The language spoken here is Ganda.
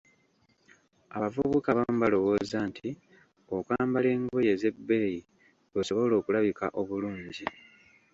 Abavubuka abamu balowooza nti okwambala engoye ez‘ebbeeyi lw'osobola okulabika obulungi!